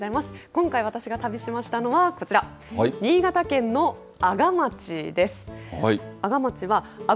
今回私が旅しましたのは、こちら、新潟県の阿賀町です。